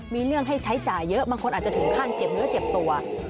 มีเรื่องให้ใช้จ่ายเยอะบางคนอาจจะถึงขั้นเจ็บเนื้อเจ็บตัว